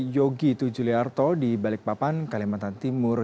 yogi tujuliarto di balikpapan kalimantan timur